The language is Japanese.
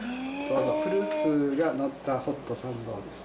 フルーツがのったホットサンドです。